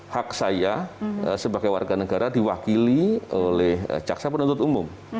hak saya sebagai warga negara diwakili oleh jaksa penuntut umum